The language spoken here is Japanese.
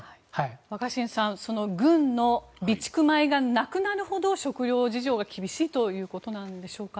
若新さん軍の備蓄米がなくなるほど食糧事情が厳しいということなんでしょうか。